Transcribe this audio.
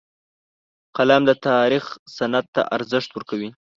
قلم د تاریخ سند ته ارزښت ورکوي